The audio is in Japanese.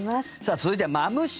続いては、マムシ。